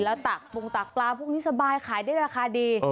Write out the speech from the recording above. แล้วตักปรุงตักปลาพวกนี้สบายขายได้ราคาดี